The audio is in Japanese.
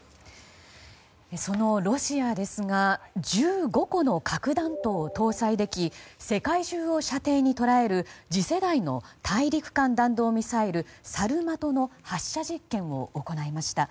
そのロシアですが１５個の核弾頭を搭載でき世界中を射程にとらえる次世代の大陸間弾道ミサイルサルマトの発射実験を行いました。